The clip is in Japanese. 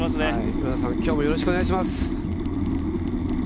今田さん、今日もよろしくお願いします。